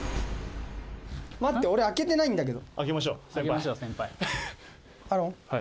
待って俺、開けてないんだけど。